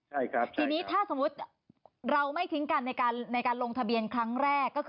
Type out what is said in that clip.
ที่นี้ถ้าสมมติเราไม่ทิ้งกันในการลงทะเบียนครั้งแรก